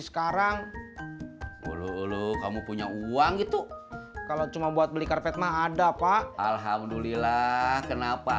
sekarang dulu kamu punya uang itu kalau cuma buat beli karpet ma ada pak alhamdulillah kenapa